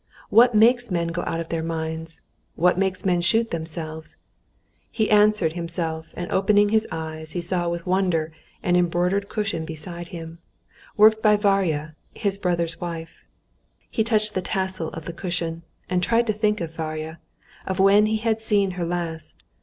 What makes men go out of their minds; what makes men shoot themselves?" he answered himself, and opening his eyes, he saw with wonder an embroidered cushion beside him, worked by Varya, his brother's wife. He touched the tassel of the cushion, and tried to think of Varya, of when he had seen her last.